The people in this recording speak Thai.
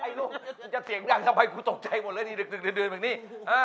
ไอผู้วิงอินจะเตียงดังทำไมกูตกใจหมดเลยตรึดแบบนี้